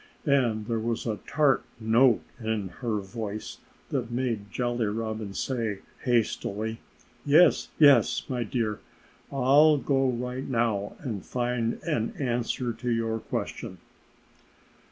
And there was a tart note in her voice that made Jolly Robin say hastily, "Yes! Yes, my dear! I'll go right now and find an answer to your question."